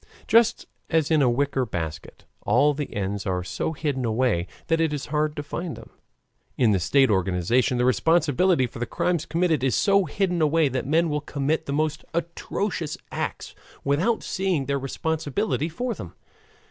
Just as in a wicker basket all the ends are so hidden away that it is hard to find them, in the state organization the responsibility for the crimes committed is so hidden away that men will commit the most atrocious acts without seeing their responsibility for them.